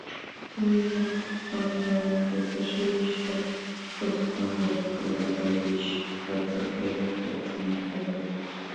অবিভক্ত বাংলায় প্রথম রিকশার প্রচলন ঘটে কলকাতায়, বিশ শতকের প্রথম ভাগে।